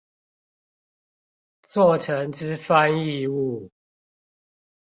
作成之翻譯物